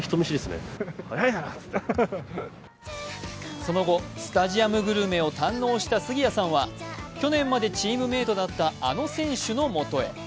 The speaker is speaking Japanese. その後、スタジアムグルメを堪能した杉谷さんは去年までチームメイトだったあの選手のもとへ。